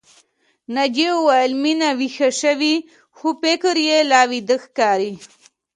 ناجيې وويل چې مينه ويښه شوې خو فکر يې لا ويده ښکاري